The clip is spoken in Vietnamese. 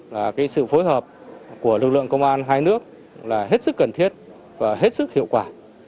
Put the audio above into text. và cái sự phối hợp của lực lượng công an hai nước là hết sức cần thiết và hết sức hiệu quả